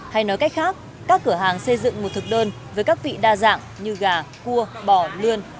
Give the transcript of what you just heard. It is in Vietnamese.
hay nói cách khác các cửa hàng xây dựng một thực đơn với các vị đa dạng như gà cua bò lươn